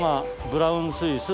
ブラウンスイス。